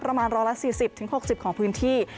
ประมาณร้อยละ๔๐๖๐ของพื้นที่